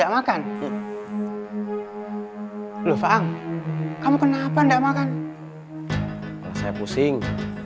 makan lupa kamu kenapa enggak makan saya pusing